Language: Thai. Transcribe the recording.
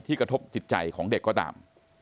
กระทบจิตใจของเด็กก็ตาม